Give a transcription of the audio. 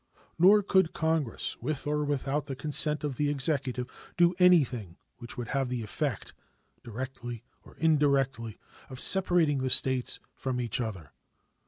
Nor could Congress, with or without the consent of the Executive, do anything which would have the effect, directly or indirectly, of separating the States from each other.